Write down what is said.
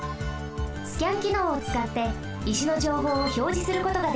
スキャンきのうをつかって石のじょうほうをひょうじすることができます。